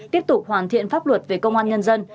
tiếp tục hoàn thiện pháp luật về công an nhân dân